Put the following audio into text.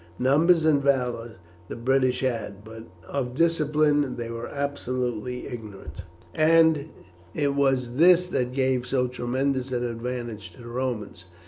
Numbers and valour the British had, but of discipline they were absolutely ignorant, and it was this that gave so tremendous an advantage to the Romans.